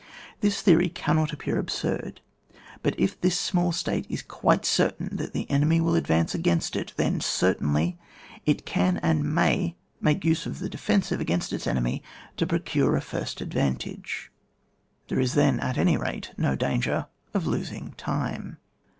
This theoiy cannot appear absurd. But if this small State is quite certain that the enemy will advance against it^ then, certainly, it can and may make use of the defensive against its enemy to procure a first advantage ; CHAP. VI.] INFLUENCE OF THE POLITICAL OBJECT, ETC. 6S there is then at any rate no danger of losing time.